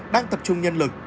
đang tập trung nhân lực